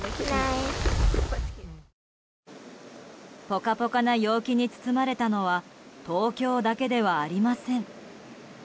ポカポカな陽気に包まれたのは東京だけではありません。